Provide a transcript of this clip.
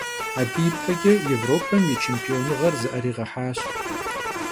Abı yipeç'e Yêvropem yi çêmpionığer zı'eriğehaş.